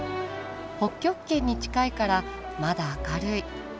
北極圏に近いからまだ明るい。